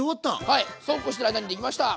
はいそうこうしてる間にできました！